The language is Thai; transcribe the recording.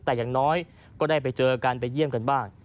แต่อย่างน้อยก็ได้ไปเจอกันไปเยี่ยมกันบ้าง